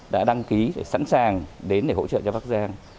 đã đăng ký sẵn sàng đến để hỗ trợ cho bắc giang